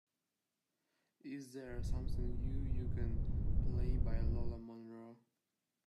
is there something new you can play by Lola Monroe